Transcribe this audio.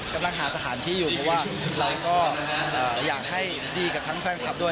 กำลังหาสถานที่อยู่เพราะว่าเราก็อยากให้ดีกับทั้งแฟนคลับด้วย